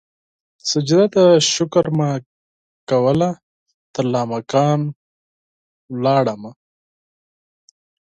سجده د شکر مې کول ترلا مکان ولاړمه